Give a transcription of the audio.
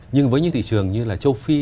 nhưng với những thị trường như là châu phi